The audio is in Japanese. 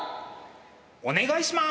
お願いします。